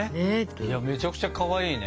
いやめちゃくちゃかわいいね。